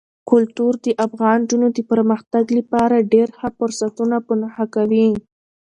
کلتور د افغان نجونو د پرمختګ لپاره ډېر ښه فرصتونه په نښه کوي.